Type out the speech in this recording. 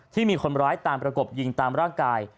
ที่มีคนร้ายตามประกบยิงตามร่างกาย